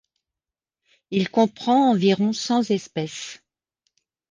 Il comprend environ cent espèces.